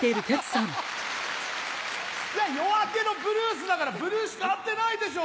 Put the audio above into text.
『夜明けのブルース』だからブルーしか合ってないでしょ。